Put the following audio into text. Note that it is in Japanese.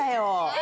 え！